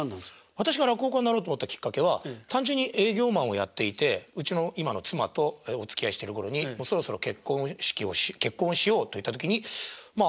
私が落語家になろうと思ったきっかけは単純に営業マンをやっていてうちの今の妻とおつきあいしてる頃にそろそろ結婚をしようといった時にまあ